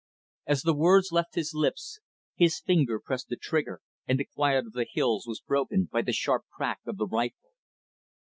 As the words left his lips, his finger pressed the trigger, and the quiet of the hills was broken by the sharp crack of the rifle.